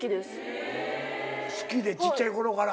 好きでちっちゃいころから。